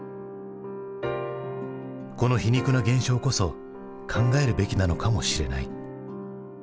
この皮肉な現象こそ考えるべきなのかもしれない。